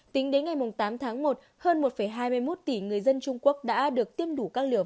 tính đến ngày tám tháng một hơn một hai mươi một tỷ người dân trung quốc đã được tiêm đổi